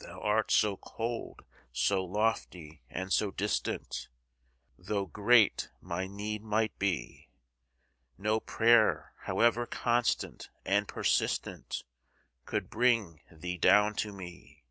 Thou art so cold, so lofty, and so distant, Though great my need might be, No prayer, however constant and persistent, Could bring thee down to me.